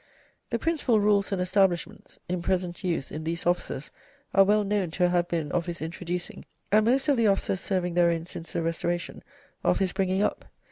The principal rules and establishments in present use in these offices are well known to have been of his introducing, and most of the officers serving therein since the Restoration, of his bringing up.